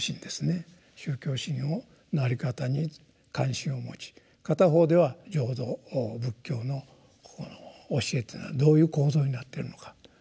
宗教心のあり方に関心を持ち片方では浄土仏教のこの教えというのはどういう構造になっているのかということ。